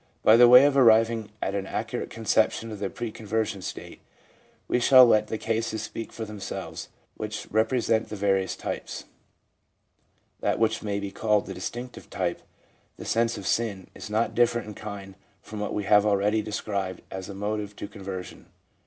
— By way of arriving at an accurate conception of the pre conversion state, we shall let the cases speak for themselves which represent the various types. That which may be called the distinctive type, the sense of sin, is not different in kind from what we have already seen described as a motive to conversion.